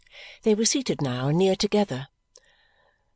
They were seated now, near together.